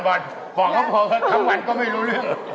ของเขาพอทั้งวันก็ไม่รู้เรื่อง